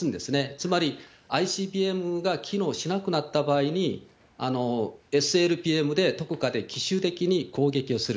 つまりＩＣＢＭが機能しなくなった場合に、ＳＬＢＭでどこかで奇襲的に攻撃をする。